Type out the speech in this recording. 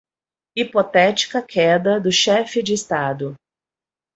Hipotética queda do chefe de Estado